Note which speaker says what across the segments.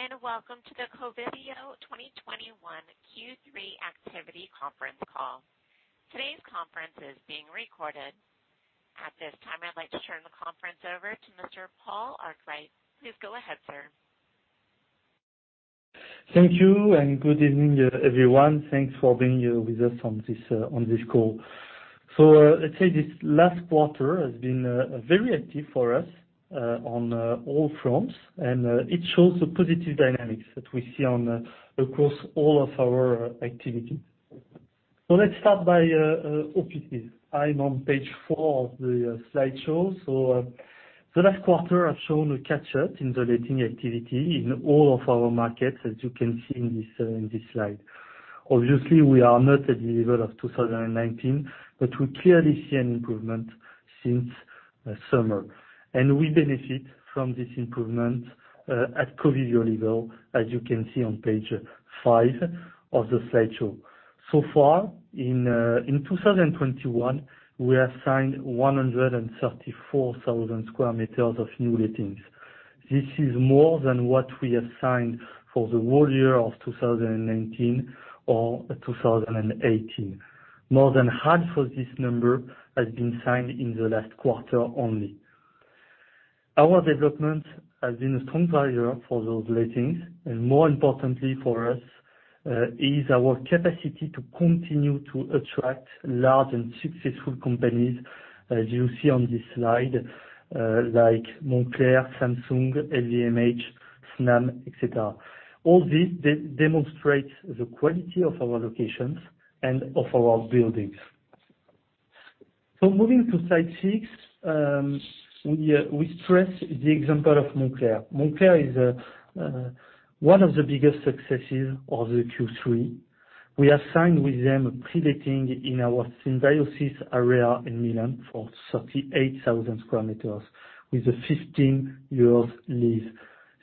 Speaker 1: Good day. Welcome to the Covivio 2021 Q3 activity conference call. Today's conference is being recorded. At this time, I'd like to turn the conference over to Mr. Paul Arkwright. Please go ahead, sir.
Speaker 2: Thank you. Good evening, everyone. Thanks for being here with us on this call. Let's say this last quarter has been very active for us on all fronts, and it shows the positive dynamics that we see across all of our activities. Let's start by offices. I'm on page four of the slideshow. The last quarter has shown a catch-up in the letting activity in all of our markets, as you can see in this slide. Obviously, we are not at the level of 2019, but we clearly see an improvement since summer. We benefit from this improvement at Covivio level, as you can see on page five of the slideshow. So far, in 2021, we have signed 134,000 sq m of new lettings. This is more than what we have signed for the whole year of 2019 or 2018. More than half of this number has been signed in the last quarter only. Our development has been a strong driver for those lettings, and more importantly for us is our capacity to continue to attract large and successful companies, as you see on this slide, like Moncler, Samsung, LVMH, Snam, et cetera. All this demonstrates the quality of our locations and of our buildings. Moving to slide six, we stress the example of Moncler. Moncler is one of the biggest successes of the Q3. We have signed with them a pre-letting in our Symbiosis area in Milan for 38,000 sq m with a 15-year lease.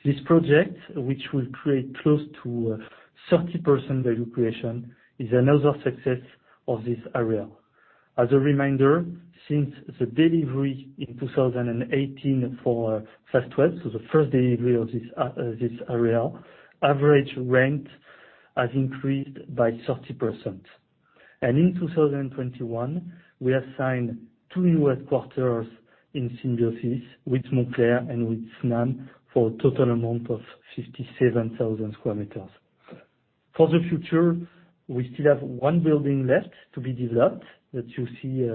Speaker 2: This project, which will create close to 30% value creation, is another success of this area. As a reminder, since the delivery in 2018 for phase 12, so the first delivery of this area, average rent has increased by 30%. In 2021, we have signed two new headquarters in Symbiosis with Moncler and with Snam for a total amount of 57,000 sq m. For the future, we still have one building left to be developed that you see,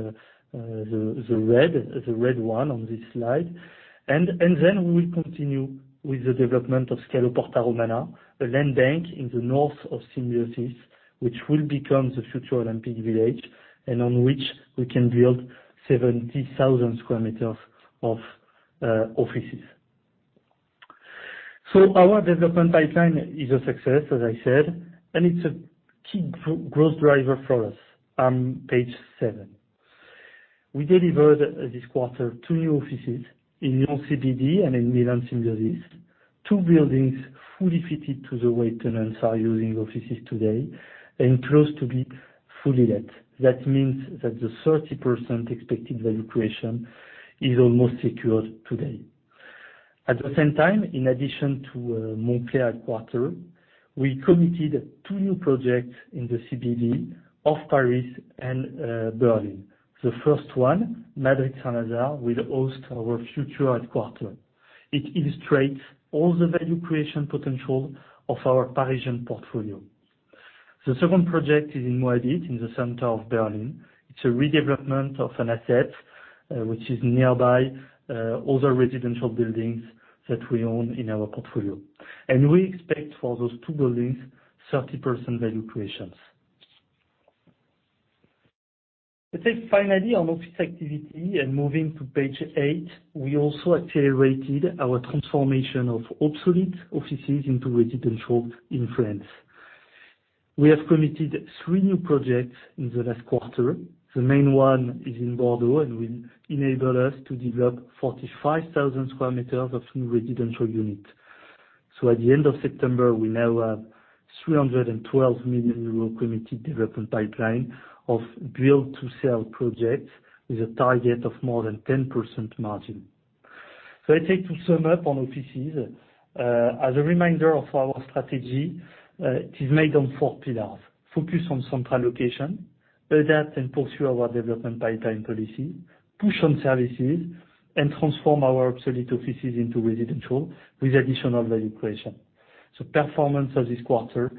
Speaker 2: the red one on this slide. Then we will continue with the development of Scalo Porta Romana, a land bank in the north of Symbiosis, which will become the future Olympic village, and on which we can build 70,000 sq m of offices. Our development pipeline is a success, as I said, and it's a key growth driver for us. On page seven. We delivered this quarter, two new offices in Lyon CBD and in Milan Symbiosis. Two buildings fully fitted to the way tenants are using offices today and close to be fully let. That means that the 30% expected value creation is almost secured today. At the same time, in addition to Moncler headquarters, we committed two new projects in the CBD of Paris and Berlin. The first one, Madrid Saint-Lazare, will host our future headquarters. It illustrates all the value creation potential of our Parisian portfolio. The second project is in Moabit, in the center of Berlin. It's a redevelopment of an asset which is nearby other residential buildings that we own in our portfolio. And we expect for those two buildings, 30% value creation. Let's say finally, on office activity and moving to page eight, we also accelerated our transformation of obsolete offices into residential in France. We have committed three new projects in the last quarter. The main one is in Bordeaux, and will enable us to develop 45,000 sq m of new residential units. At the end of September, we now have 312 million euro committed development pipeline of build-to-sell projects with a target of more than 10% margin. I take to sum up on offices. As a reminder of our strategy, it is made on four pillars. Focus on central locations, adapt and pursue our development pipeline policy, push on services, and transform our obsolete offices into residential with additional value creation. Performance of this quarter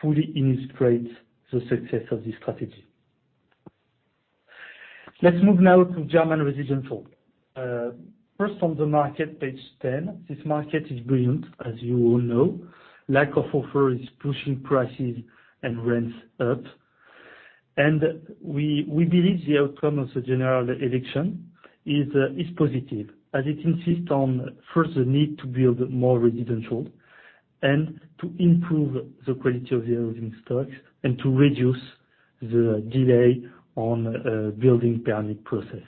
Speaker 2: fully illustrates the success of this strategy. Let's move now to German residential. First on the market, page 10. This market is brilliant, as you all know. Lack of offer is pushing prices and rents up. And we believe the outcome of the general election is positive, as it insists on, first, the need to build more residential, and to improve the quality of the housing stock and to reduce the delay on building permit process.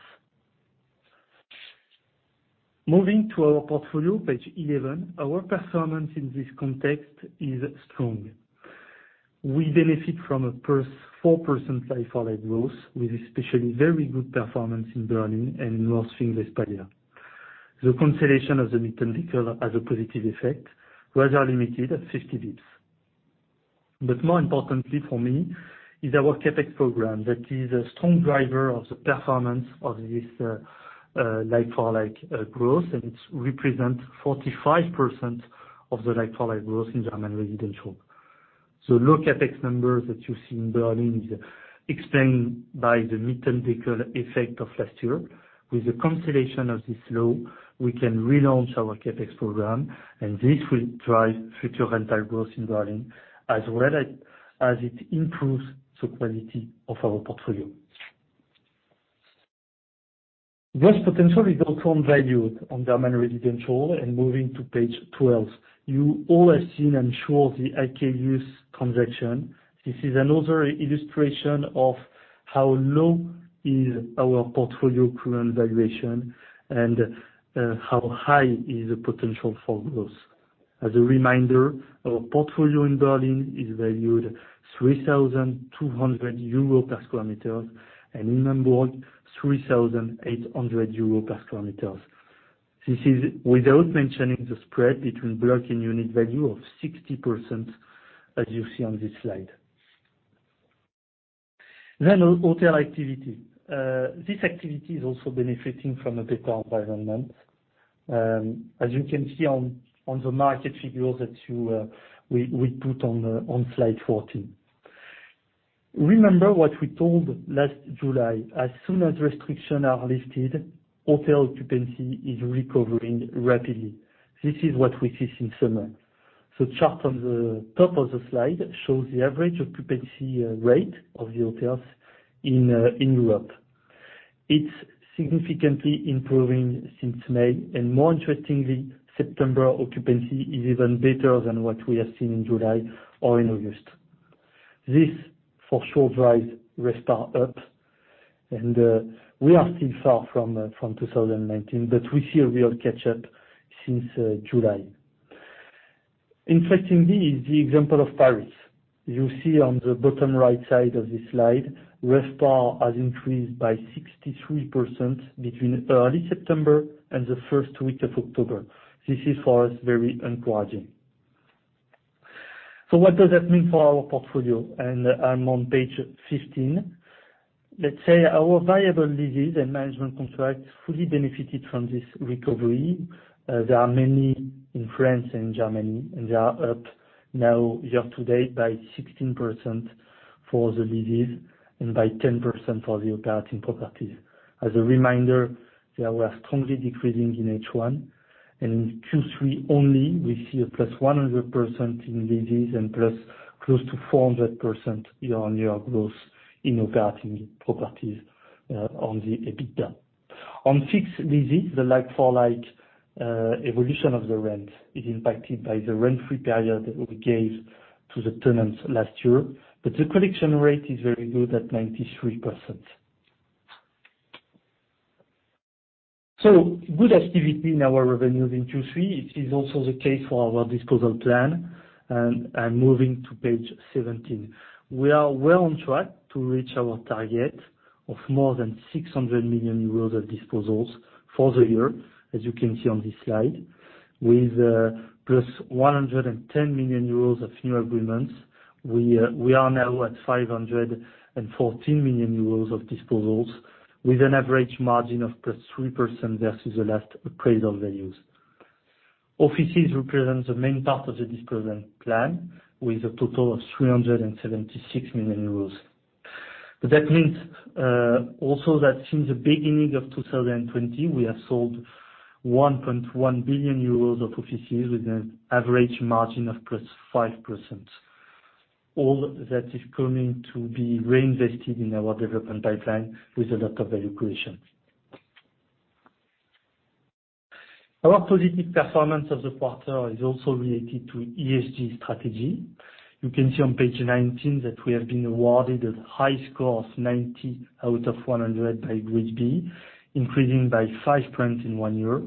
Speaker 2: Moving to our portfolio, page 11. Our performance in this context is strong. We benefit from a 4% like-for-like growth, with especially very good performance in Berlin and North Rhine-Westphalia. The consolidation of the Mietendeckel has a positive effect, rather limited at 50 basis points. But more importantly for me is our CapEx program. That is a strong driver of the performance of this like-for-like growth, and it represents 45% of the like-for-like growth in German residential. Low CapEx numbers that you see in Berlin is explained by the Mietendeckel effect of last year. With the consolidation of this law, we can relaunch our CapEx program, and this will drive future rental growth in Berlin, as well as it improves the quality of our portfolio. Gross potential is also valued on German residential, and moving to page 12. You all have seen, I'm sure, the Akelius transaction. This is another illustration of how low is our portfolio current valuation and how high is the potential for growth. As a reminder, our portfolio in Berlin is valued 3,200 euro per sq m, and in Hamburg, 3,800 euro per sq m. This is without mentioning the spread between block and unit value of 60%, as you see on this slide. Then hotel activity. This activity is also benefiting from a better environment, as you can see on the market figures that we put on slide 14. Remember what we told last July. As soon as restrictions are lifted, hotel occupancy is recovering rapidly. This is what we see since summer. The chart on the top of the slide shows the average occupancy rate of the hotels in Europe. It's significantly improving since May, and more interestingly, September occupancy is even better than what we have seen in July or in August. This for sure drives RevPAR up, and we are still far from 2019, but we see a real catch-up since July. Interestingly is the example of Paris. You see on the bottom right side of this slide, RevPAR has increased by 63% between early September and the first week of October. This is, for us, very encouraging. What does that mean for our portfolio? I'm on page 15. Let's say our variable leases and management contracts fully benefited from this recovery. There are many in France and Germany, they are up now year-to-date by 16% for the leases and by 10% for the operating properties. As a reminder, they were strongly decreasing in H1, in Q3 only, we see a +100% in leases and + close to 400% year-on-year growth in operating properties on the EBITDA. On fixed leases, the like-for-like evolution of the rent is impacted by the rent-free period that we gave to the tenants last year, but the collection rate is very good at 93%. Good activity in our revenues in Q3. It is also the case for our disposal plan. I'm moving to page 17. We are well on track to reach our target of more than 600 million euros of disposals for the year, as you can see on this slide, with +110 million euros of new agreements. We are now at 514 million euros of disposals with an average margin of +3% versus the last appraisal values. Offices represent the main part of the disposal plan with a total of 376 million euros. That means also that since the beginning of 2020, we have sold 1.1 billion euros of offices with an average margin of +5%. All that is going to be reinvested in our development pipeline with a lot of value creation. Our positive performance of the quarter is also related to ESG strategy. You can see on page 19 that we have been awarded a high score of 90 out of 100 by GRESB, increasing by five points in one year.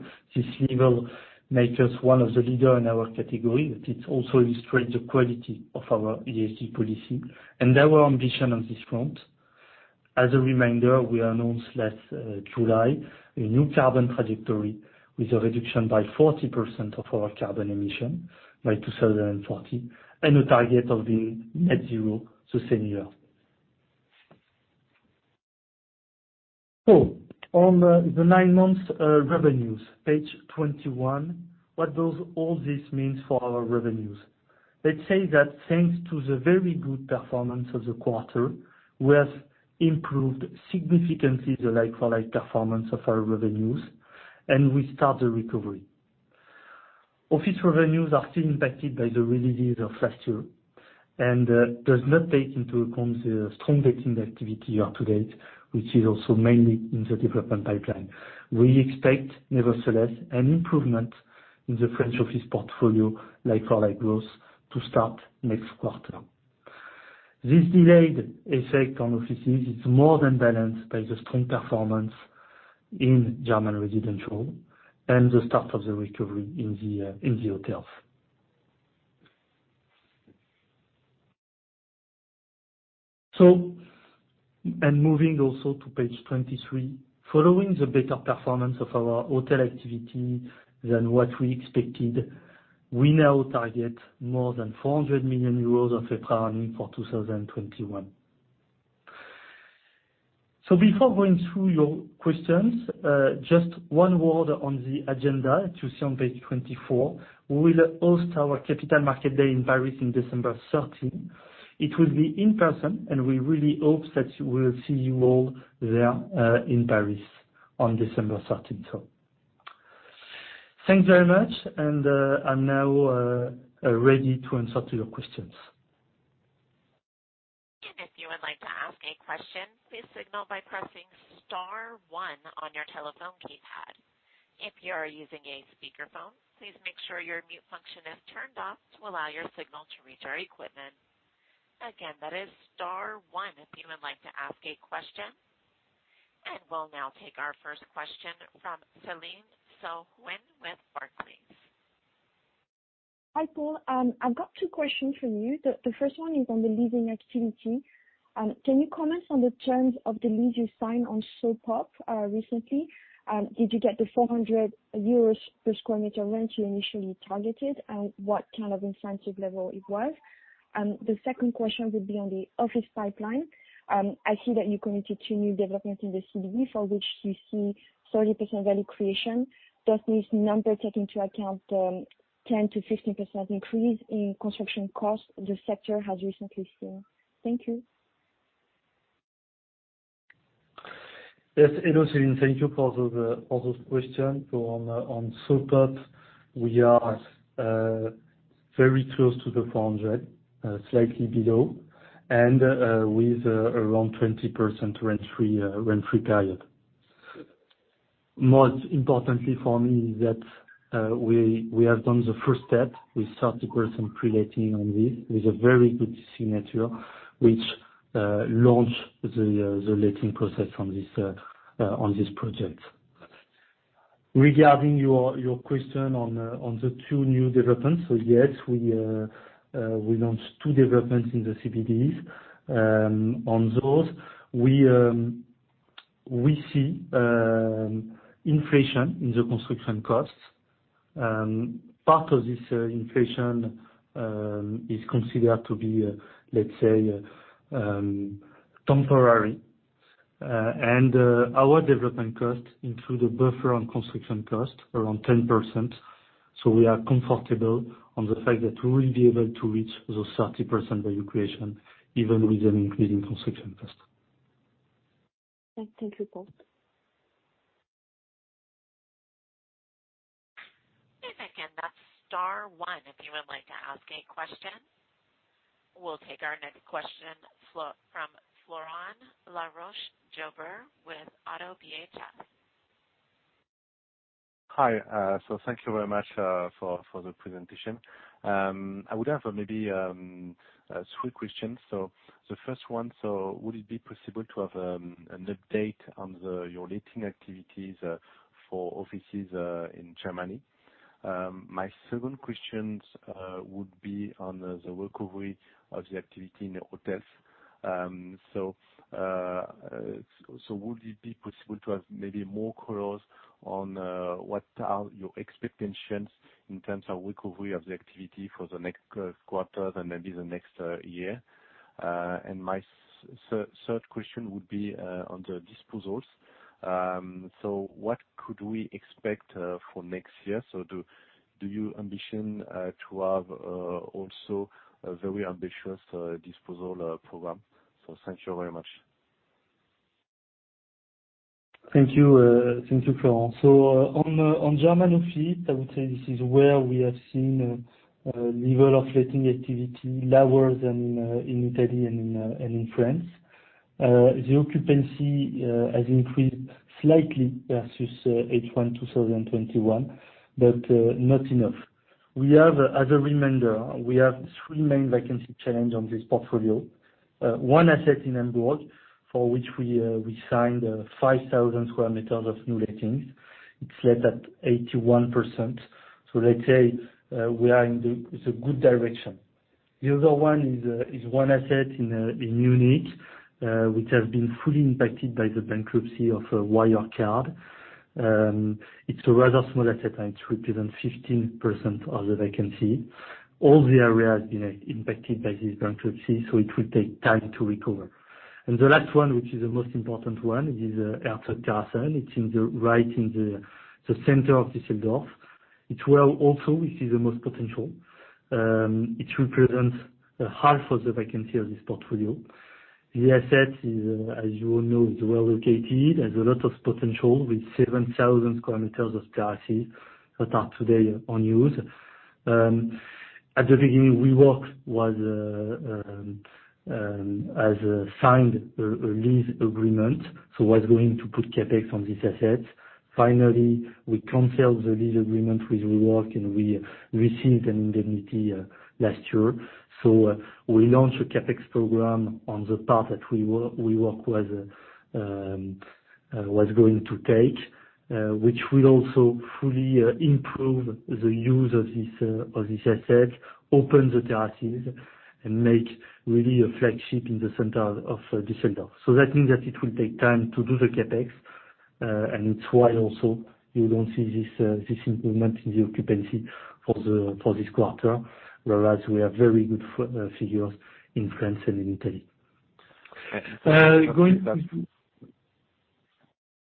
Speaker 2: This level makes us one of the leaders in our category, it also illustrates the quality of our ESG policy and our ambition on this front. As a reminder, we announced last July a new carbon trajectory with a reduction by 40% of our carbon emission by 2040 and a target of being net zero the same year. On the nine months revenues, page 21, what does all this mean for our revenues? Let's say that thanks to the very good performance of the quarter, we have improved significantly the like-for-like performance of our revenues, and we start the recovery. Office revenues are still impacted by the releases of last year and does not take into account the strong letting activity year-to-date, which is also mainly in the development pipeline. We expect, nevertheless, an improvement in the French office portfolio, like-for-like growth to start next quarter. This delayed effect on offices is more than balanced by the strong performance in German residential and the start of the recovery in the hotels. Moving also to page 23, following the better performance of our hotel activity than what we expected, we now target more than 400 million euros of EBITDA for 2021. Before going through your questions, just one word on the agenda to see on page 24. We will host our Capital Markets Day in Paris on December 13. It will be in person, and we really hope that we will see you all there in Paris on December 13th. Thanks very much, and I'm now ready to answer your questions.
Speaker 1: If you would like to ask a question, please signal by pressing star one on your telephone keypad. If you are using a speakerphone, please make sure your mute function is turned off to allow your signal to reach our equipment. Again, that is star one if you would like to ask a question. We'll now take our first question from Céline Soo-Huynh with Barclays.
Speaker 3: Hi, Paul. I've got two questions for you. The first one is on the leasing activity. Can you comment on the terms of the lease you signed on So Pop recently? Did you get the 400 euros per sq m rent you initially targeted, and what kind of incentive level it was? The second question would be on the office pipeline. I see that you committed to new developments in the CBD for which you see 30% value creation. Does this number take into account the 10%-15% increase in construction cost the sector has recently seen? Thank you.
Speaker 2: Yes. Hello, Celine, thank you for those questions. On So Pop, we are very close to the 400, slightly below, and with around 20% rent-free period. Most importantly for me is that we have done the first step. We start to grow some pre-letting on this with a very good signature, which launch the letting process on this project. Regarding your question on the two new developments, yes, we launched two developments in the CBDs. On those, we see inflation in the construction costs. Part of this inflation is considered to be, let's say, temporary. Our development costs include a buffer on construction costs around 10%. We are comfortable on the fact that we will be able to reach those 30% value creation even with an increasing construction cost.
Speaker 3: Thank you, Paul.
Speaker 1: Again, that's star one, if you would like to ask a question. We'll take our next question from Florent Laroche-Joubert with ODDO BHF.
Speaker 4: Hi. Thank you very much for the presentation. I would have maybe three questions. The first one, would it be possible to have an update on your letting activities for offices in Germany? My second question would be on the recovery of the activity in the hotels. Would it be possible to have maybe more colors on what are your expectations in terms of recovery of the activity for the next quarter and maybe the next year? My third question would be on the disposals. What could we expect for next year? Do you ambition to have also a very ambitious disposal program? Thank you very much.
Speaker 2: Thank you, Florent. On German office, I would say this is where we have seen level of letting activity lower than in Italy and in France. The occupancy has increased slightly versus H1 2021, but not enough. As a reminder, we have three main vacancy challenge on this portfolio. One asset in Hamburg, for which we signed 5,000 sq m of new lettings. It's let at 81%. Let's say we are in the good direction. The other one is one asset in Munich, which has been fully impacted by the bankruptcy of Wirecard. It's a rather small asset, and it represents 15% of the vacancy. All the area has been impacted by this bankruptcy, so it will take time to recover. The last one, which is the most important one, is Erzbergerplatz. It's right in the center of Düsseldorf. It's where also we see the most potential. It represents half of the vacancy of this portfolio. The asset is, as you all know, is well located, has a lot of potential with 7,000 square meters of capacity that are today unused. At the beginning, WeWork has signed a lease agreement, so WeWork was going to put CapEx on this asset. Finally, we canceled the lease agreement with WeWork, and we received an indemnity last year. We launched a CapEx program on the part that WeWork was going to take, which will also fully improve the use of this asset, open the terraces, and make really a flagship in the center of Düsseldorf. That means that it will take time to do the CapEx, and it's why also you don't see this improvement in the occupancy for this quarter, whereas we have very good figures in France and in Italy.
Speaker 4: Okay.
Speaker 2: Going-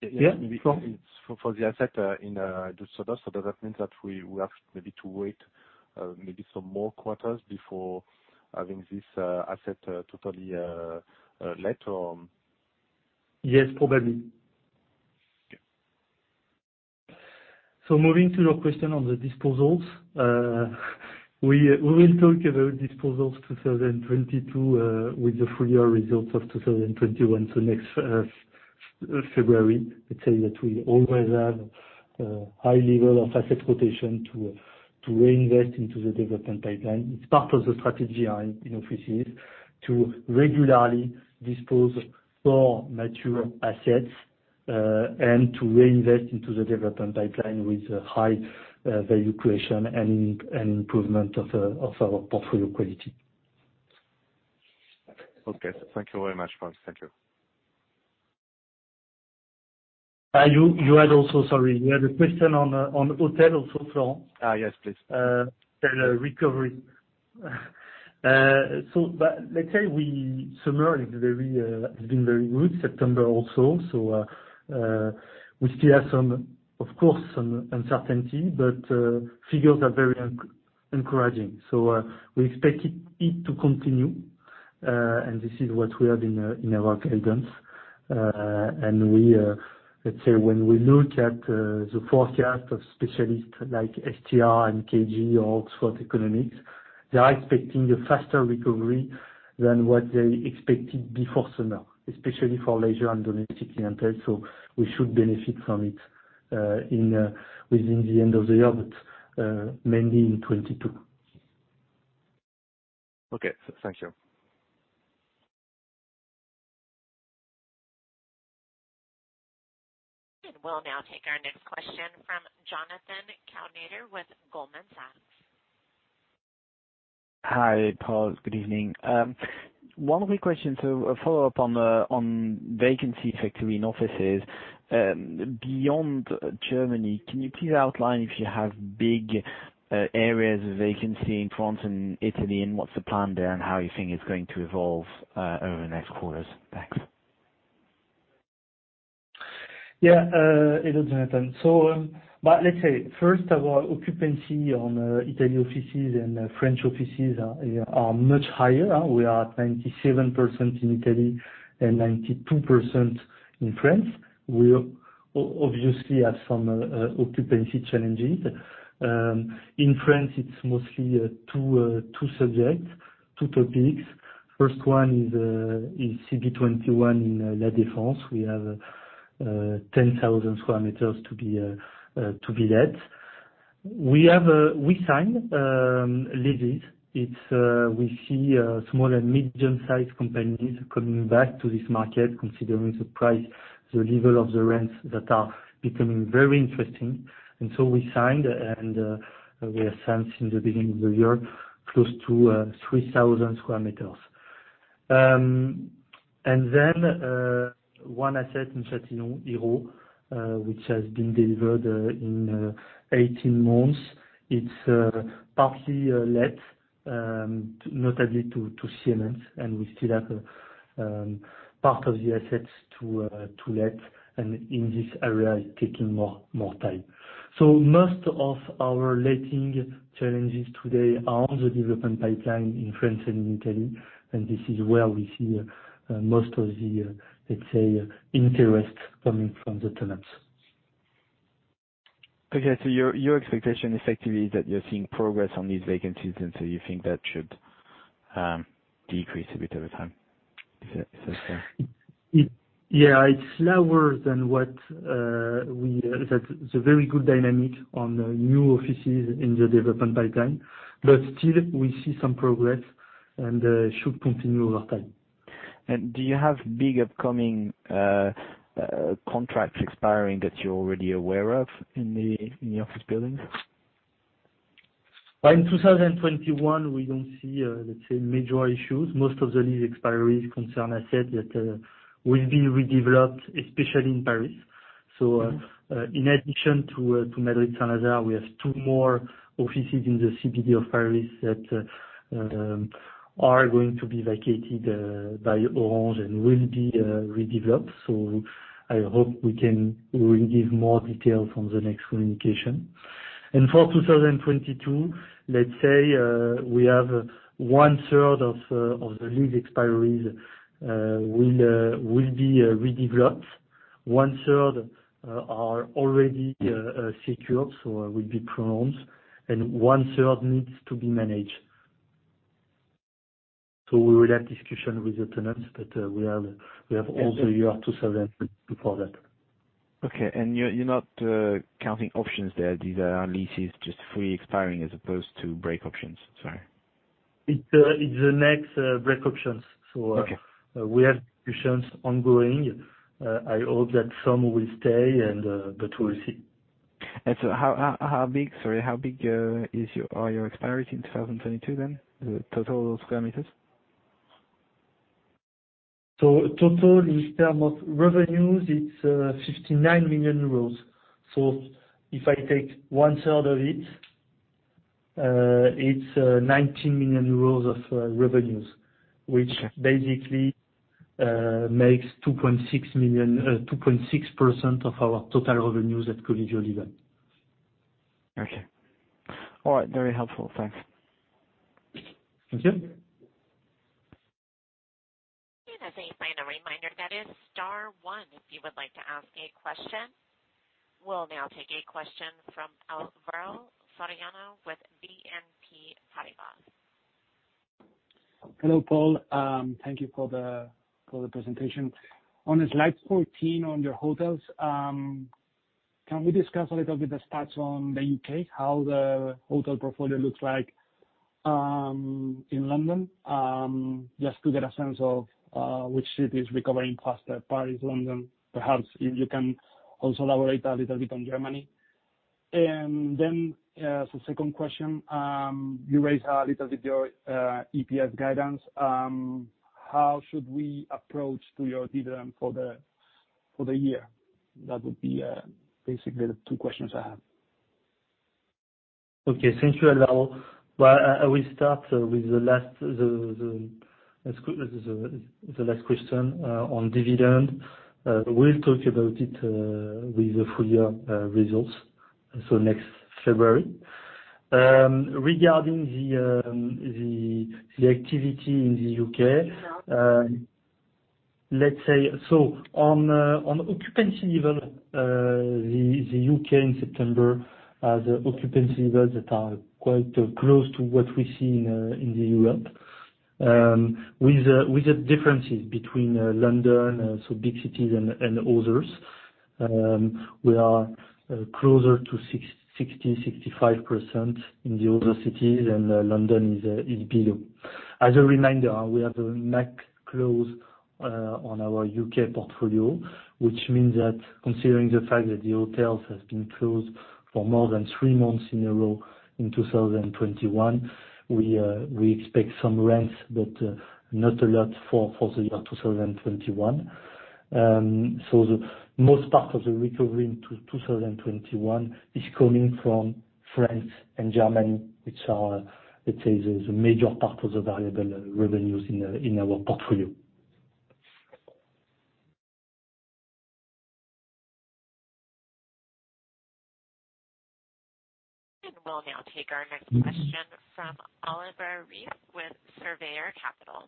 Speaker 4: Yeah.
Speaker 2: Yeah, go on.
Speaker 4: For the asset in Düsseldorf, so does that mean that we have maybe to wait some more quarters before having this asset totally let or?
Speaker 2: Yes, probably.
Speaker 4: Okay.
Speaker 2: Moving to your question on the disposals. We will talk about disposals 2022 with the full-year results of 2021, next February. Let's say that we always have a high level of asset rotation to reinvest into the development pipeline. It's part of the strategy in offices to regularly dispose more mature assets and to reinvest into the development pipeline with high value creation and improvement of our portfolio quality.
Speaker 4: Thank you very much, Paul. Thank you.
Speaker 2: You had also, sorry. You had a question on hotel also, Florent.
Speaker 4: Yes, please.
Speaker 2: Tell recovery. Let's say summer has been very good, September also. We still have, of course, some uncertainty, but figures are very encouraging, so we expect it to continue. This is what we have in our guidance. Let's say, when we look at the forecast of specialists like STR and MKG or Oxford Economics, they are expecting a faster recovery than what they expected before summer, especially for leisure and domestic clientele. We should benefit from it within the end of the year, but mainly in 2022.
Speaker 4: Okay. Thank you.
Speaker 1: We'll now take our next question from Jonathan Kownator with Goldman Sachs.
Speaker 5: Hi, Paul. Good evening. One quick question to follow up on vacancy factor in offices. Beyond Germany, can you please outline if you have big areas of vacancy in France and Italy, and what's the plan there, and how you think it's going to evolve over the next quarters? Thanks.
Speaker 2: Yeah. Hello, Jonathan. Let's say first our occupancy on Italy offices and French offices are much higher. We are at 97% in Italy and 92% in France. We obviously have some occupancy challenges. In France, it's mostly two subjects, two topics. First one is CB21 in La Défense. We have 10,000 sq m to be let. We signed leases. We see small and medium-sized companies coming back to this market, considering the price, the level of the rents that are becoming very interesting. We signed, and we are signed since the beginning of the year, close to 3,000 sq m. One asset in Châtillon, IRO, which has been delivered in 18 months. It's partly let, notably to CMS, we still have part of the assets to let, and in this area, it's taking more time. Most of our letting challenges today are on the development pipeline in France and in Italy, this is where we see most of the, let's say, interest coming from the tenants.
Speaker 5: Okay, your expectation effectively is that you're seeing progress on these vacancies, you think that should decrease a bit over time. Is that fair?
Speaker 2: Yeah, it's slower than the very good dynamic on new offices in the development pipeline, still, we see some progress and should continue over time.
Speaker 5: Do you have big upcoming contracts expiring that you're already aware of in the office buildings?
Speaker 2: By 2021, we don't see, let's say, major issues. Most of the lease expiries concern assets that will be redeveloped, especially in Paris. In addition to Madrid Saint-Lazare, we have two more offices in the CBD of Paris that are going to be vacated by Orange and will be redeveloped. I hope we will give more detail on the next communication. For 2022, let's say we have one-third of the lease expiries will be redeveloped. One-third are already secured, so will be prolonged, and one-third needs to be managed. We will have discussion with the tenants, but we have all the year 2022 for that.
Speaker 5: Okay. You're not counting options there. These are leases just freely expiring as opposed to break options. Sorry.
Speaker 2: It's the next break options.
Speaker 5: Okay.
Speaker 2: We have discussions ongoing. I hope that some will stay, but we will see.
Speaker 5: How big, sorry, how big are your expiry in 2022 then, the total square meters?
Speaker 2: Total in terms of revenues, it's 59 million euros. If I take one third of it's 19 million euros of revenues, which basically makes 2.6% of our total revenues at Covivio level.
Speaker 5: Okay. All right. Very helpful. Thanks.
Speaker 2: Thank you.
Speaker 1: As a final reminder, that is star one, if you would like to ask a question. We will now take a question from Alvaro Soriano with BNP Paribas.
Speaker 6: Hello, Paul. Thank you for the presentation. On slide 14 on your hotels, can we discuss a little bit the stats on the U.K., how the hotel portfolio looks like in London? Just to get a sense of which city is recovering faster, Paris, London. Perhaps if you can also elaborate a little bit on Germany. Second question, you raised a little bit your EPS guidance. How should we approach your dividend for the year? That would be basically the two questions I have.
Speaker 2: Okay. Thank you, Alvaro. I will start with the last question on dividend. We will talk about it with the full year results, next February. Regarding the activity in the U.K., let's say, on occupancy level, the U.K. in September, the occupancy levels that are quite close to what we see in Europe. With the differences between London, big cities and others, we are closer to 60%, 65% in the other cities and London is below. As a reminder, we have a MAC clause on our U.K. portfolio, which means that considering the fact that the hotels has been closed for more than three months in a row in 2021, we expect some rents, but not a lot for the year 2021. The most part of the recovery in 2021 is coming from France and Germany, which are, let's say, the major part of the variable revenues in our portfolio.
Speaker 1: We'll now take our next question from Oliver Rees with Surveyor Capital.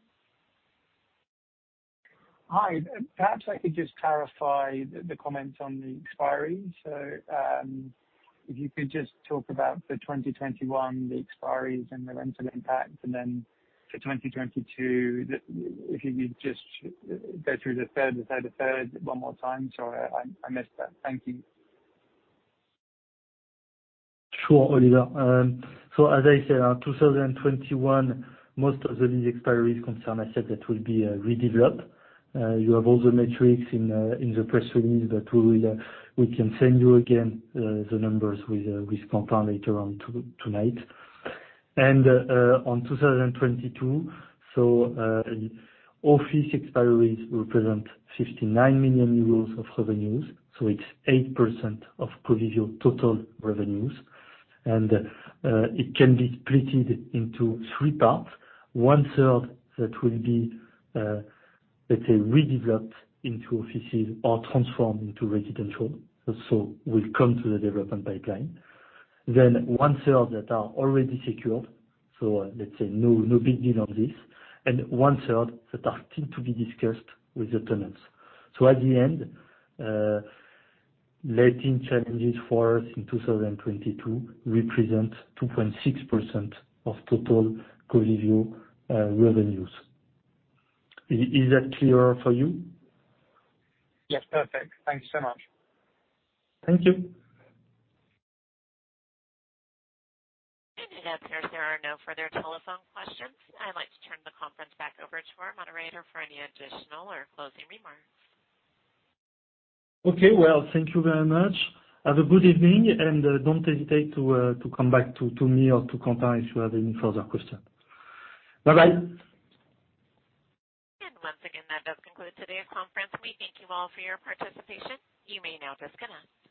Speaker 7: Hi. Perhaps I could just clarify the comments on the expiry. If you could just talk about the 2021, the expiries and the rental impact, and then for 2022, if you could just go through the third one more time. Sorry, I missed that. Thank you.
Speaker 2: Sure, Oliver. As I said, 2021, most of the lease expiries concern assets that will be redeveloped. You have all the metrics in the press release that we can send you again, the numbers, with Quentin later on tonight. On 2022, office expiries represent 59 million euros of revenues. It's 8% of Covivio total revenues. It can be split into three parts. One-third that will be, let's say, redeveloped into offices or transformed into residential, will come to the development pipeline. One-third that are already secured, let's say, no big deal on this, and one-third that are still to be discussed with the tenants. At the end, letting challenges for us in 2022 represent 2.6% of total Covivio revenues. Is that clearer for you?
Speaker 7: Yes. Perfect. Thank you so much.
Speaker 2: Thank you.
Speaker 1: It appears there are no further telephone questions. I'd like to turn the conference back over to our moderator for any additional or closing remarks.
Speaker 2: Okay. Well, thank you very much. Have a good evening, and don't hesitate to come back to me or to Quentin if you have any further question. Bye-bye.
Speaker 1: Once again, that does conclude today's conference. We thank you all for your participation. You may now disconnect.